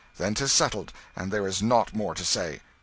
"Then 'tis settled, and there is nought more to say."